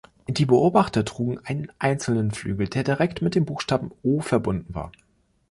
Die Beobachter trugen einen einzelnen Flügel, der direkt mit dem Buchstaben „O“ verbunden war.